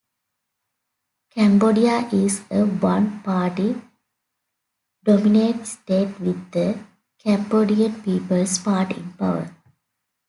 Cambodia is a one party dominant state with the Cambodian People's Party in power.